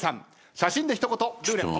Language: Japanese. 写真で一言ルーレット。